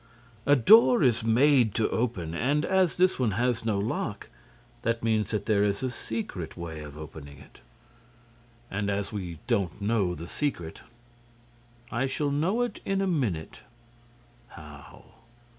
"A door is made to open; and, as this one has no lock, that means that there is a secret way of opening it." "And, as we don't know the secret—" "I shall know it in a minute." "How?"